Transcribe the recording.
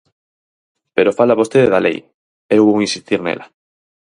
Pero fala vostede da lei; eu vou insistir nela.